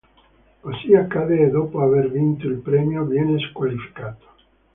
Così accade, e dopo aver vinto il premio viene squalificato.